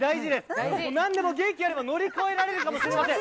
何でも元気があれば乗り越えられるかもしれません。